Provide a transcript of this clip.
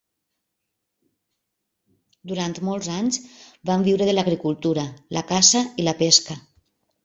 Durant molts anys van viure de l'agricultura, la caça i la pesca.